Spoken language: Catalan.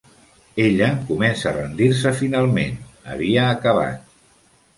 Ella començà a rendir-se finalment; havia acabat.